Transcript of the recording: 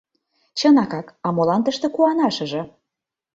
— Чынакак, а молан тыште куанашыже?